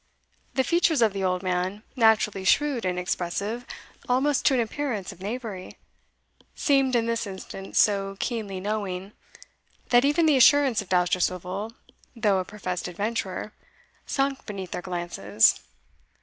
The features of the old man, naturally shrewd and expressive almost to an appearance of knavery, seemed in this instance so keenly knowing, that even the assurance of Dousterswivel, though a professed adventurer, sunk beneath their glances.